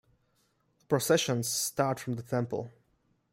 A processions starts from the temple.